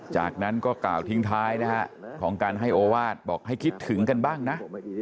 จากนั้นก็กล่าวทิ้งท้ายนะฮะของการให้โอวาสบอกให้คิดถึงกันบ้างนะ